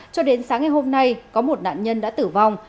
cho đến sáng ngày hôm nay có một nạn nhân đã tử vong